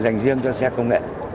dành riêng cho xe công nghệ